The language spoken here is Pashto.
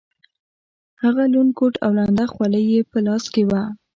هغه لوند کوټ او لنده خولۍ یې په لاس کې وه.